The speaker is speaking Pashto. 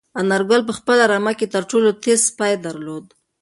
انارګل په خپله رمه کې تر ټولو تېز سپی درلود.